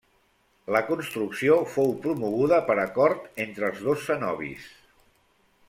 La construcció fou promoguda per acord entre els dos cenobis.